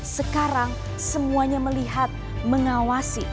sekarang semuanya melihat mengawasi